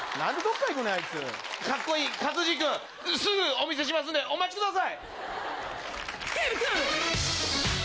かっこいい勝地君、すぐお見せしますんでお待ちください。